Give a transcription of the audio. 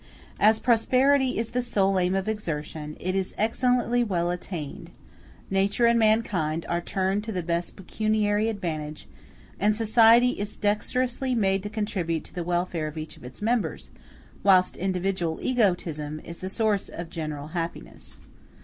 As prosperity is the sole aim of exertion, it is excellently well attained; nature and mankind are turned to the best pecuniary advantage, and society is dexterously made to contribute to the welfare of each of its members, whilst individual egotism is the source of general happiness.